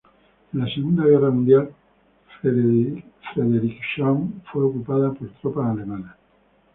En la Segunda Guerra Mundial, Frederikshavn fue ocupada por tropas alemanas.